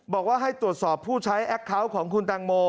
บอกว่าให้ตรวจสอบผู้ใช้แอคเคาน์ของคุณตังโม